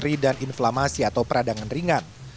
dari nyeri dan inflamasi atau peradangan ringan